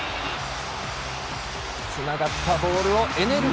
つながったボールをエネル